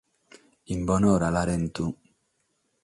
In bonora, Larentu.